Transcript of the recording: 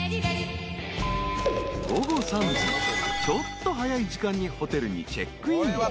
［ちょっと早い時間にホテルにチェックイン］